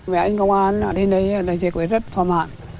mẹ anh công an ở đây giải quyết rất thoải mái